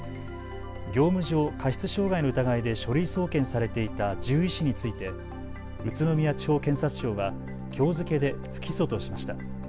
業務上過失傷害の疑いで書類送検されていた獣医師について宇都宮地方検察庁はきょう付けで不起訴としました。